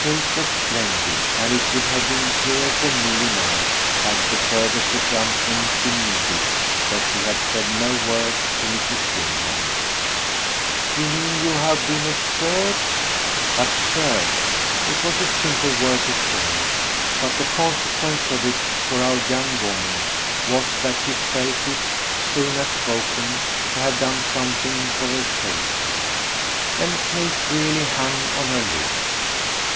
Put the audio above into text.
Kate was splendid, and it would have been clear for Milly now, had the further presumption been needed, that she had said no word to Mrs. Stringham. "You mean you've been absurd?" "Absurd." It was a simple word to say, but the consequence of it, for our young woman, was that she felt it, as soon as spoken, to have done something for her safety. And Kate really hung on her lips.